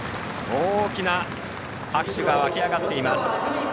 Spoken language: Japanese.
大きな拍手が沸き上がっています。